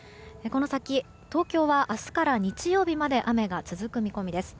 この先、東京は明日から日曜日まで雨が続く見込みです。